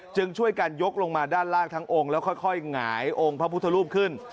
จึงช่วยกันยกลงมาด้านล่างทั้งองค์แล้วค่อยหงายองค์พระพุทธรูปขึ้น